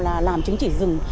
là làm chứng chỉ rừng